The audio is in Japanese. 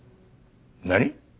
何？